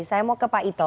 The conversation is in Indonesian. saya mau ke pak ito